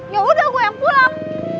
yaudah gue yang pulang